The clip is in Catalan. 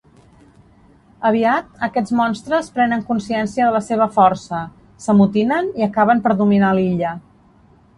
Aviat, aquests monstres prenen consciència de la seva força, s'amotinen i acaben per dominar l'illa.